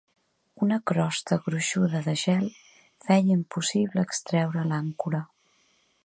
Una crosta gruixuda de gel feia impossible extreure l'àncora.